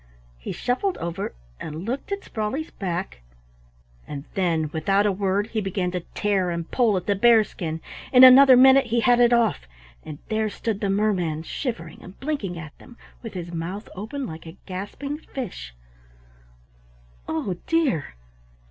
He shuffled over and looked at Sprawley's back, and then without a word he began to tear and pull at the bear skin. In another minute he had it off, and there stood the merman shivering and blinking at them with his mouth open like a gasping fish. "Oh dear!